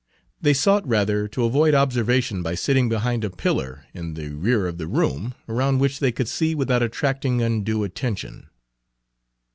They sought rather to avoid observation by sitting behind a pillar in the rear of the room, around which they could see without attracting undue attention.